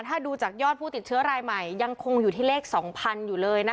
ถ้าดูจากยอดผู้ติดเชื้อรายใหม่ยังคงอยู่ที่เลข๒๐๐อยู่เลยนะคะ